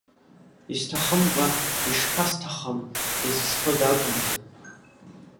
Исҭахымкәа, ишԥасҭахым, исызҭода акәымзар?